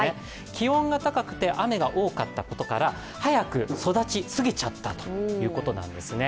気温が高くて、雨が多かったことから早く育ちすぎちゃったということなんですね。